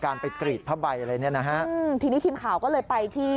การไปกรีดพ่อใบอะไรนี่นะทีนี้ทีมข่าวก็เลยไปที่